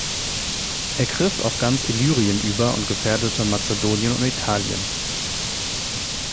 Er griff auf ganz Illyrien über und gefährdete Makedonien und Italien.